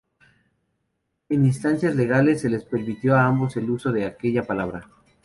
En instancias legales, se les permitió a ambos el uso de aquella palabra.